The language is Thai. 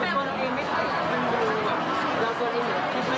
แล้วคุณพิสูจน์บ้างมีใครพิสูจนี่